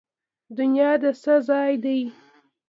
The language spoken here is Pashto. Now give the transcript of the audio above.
دنیا د څه ځای دی؟